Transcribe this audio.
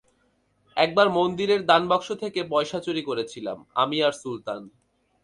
একবার মন্দিরের দানবাক্স থেকে পয়সা চুরি করেছিলাম, আমি আর সুলতান।